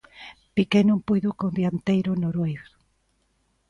Piqué non puido co dianteior noruegués.